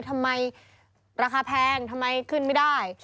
ทำไมราคาแพงทำไมขึ้นไม่ได้